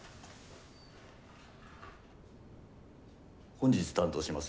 本日担当します